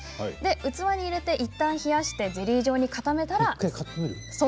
器に入れて、いったん冷やしてゼリー状に固めたら。